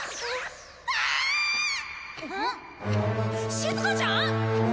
しずかちゃーん！